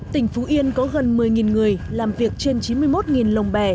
tỉnh phú yên có gần một mươi người làm việc trên chín mươi một lồng bè